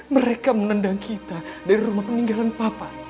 mereka menendang kita dari rumah peninggalan papa